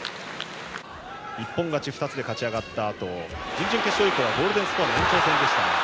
一本勝ち２つで勝ち上がったあとは準々決勝以降はゴールデンスコアの延長戦でした。